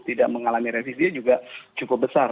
tidak mengalami revisinya juga cukup besar